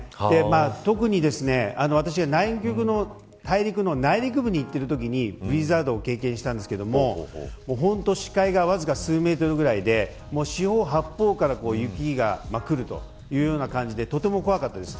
特に私は、南極の大陸の内陸部に行っているときにブリザードを経験したんですが本当に視界がわずか数メートルぐらいで四方八方から雪が来るというような感じでとても怖かったです。